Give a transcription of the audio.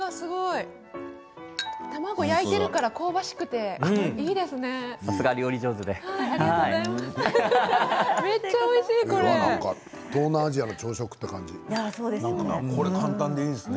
卵を焼いているから香ばしくて、いいですね。